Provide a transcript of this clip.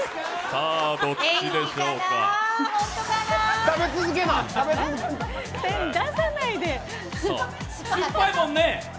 酸っぱいもんね？